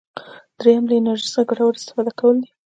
دریم له انرژي څخه ګټوره استفاده کول دي.